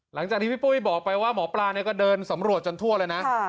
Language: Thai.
หลังจากที่พี่ปุ้ยบอกไปว่าหมอปลาเนี่ยก็เดินสำรวจจนทั่วเลยนะ